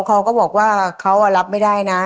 เขาก็บอกว่าเขารับไม่ได้นะ